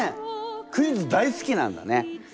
クイズ大好きなんだね。